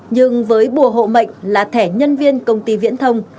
nhưng với bùa hộ mệnh là thẻ nhân viên công ty viễn thông